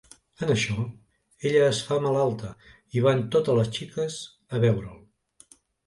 En això, ella es fa malalta i van totes les xiques a veure'l.